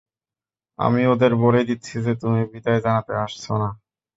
আমি ওদের বলে দিচ্ছি যে, তুমি বিদায় জানাতে আসছো না।